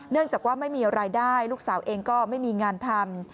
จากว่าไม่มีรายได้ลูกสาวเองก็ไม่มีงานทำ